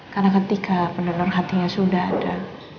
karena ketika pendonor hatinya sudah ada